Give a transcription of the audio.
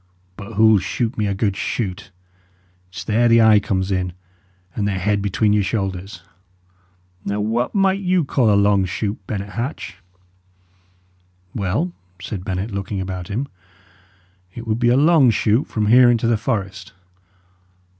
But who'll shoot me a good shoot? It's there the eye comes in, and the head between your shoulders. Now, what might you call a long shoot, Bennet Hatch?" "Well," said Bennet, looking about him, "it would be a long shoot from here into the forest."